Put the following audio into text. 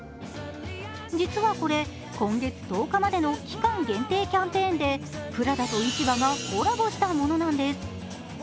実はこれ今月１０日までの期間限定イベントで、プラダと市場がコラボしたものなんです。